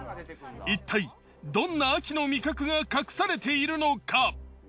いったいどんな秋の味覚が隠されているのか。